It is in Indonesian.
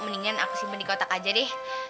mendingan aku simpan di kotak aja deh